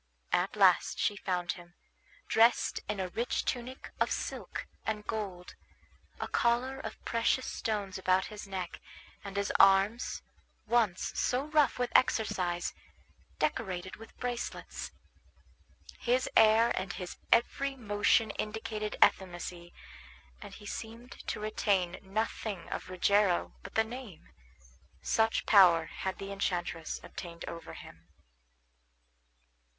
At last she found him, dressed in a rich tunic of silk and gold, a collar of precious stones about his neck, and his arms, once so rough with exercise, decorated with bracelets. His air and his every motion indicated effeminacy, and he seemed to retain nothing of Rogero but the name; such power had the enchantress obtained over him.